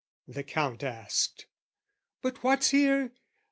the Count asked. But what's here?